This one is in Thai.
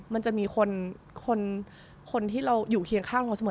มันจะมีคนที่เราอยู่เคียงข้างเราเสมอ